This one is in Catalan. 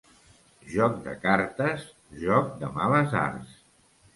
Joc de cartes, joc de males arts.